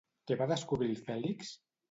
Què va descobrir el Fèlix?